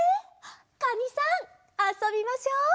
かにさんあそびましょう。